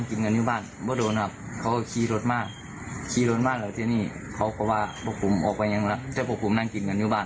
ขี้ร้อนมากแล้วที่นี่เขาก็ว่าพวกผมออกไปแล้วจะพวกผมนั่งกินกันอยู่บ้าน